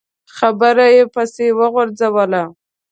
خبره يې پسې وغځوله.